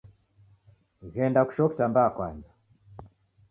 Ghenda kushoo kitambara kwaza.